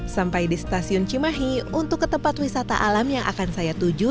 sampai di stasiun cimahi untuk ke tempat wisata alam yang akan saya tuju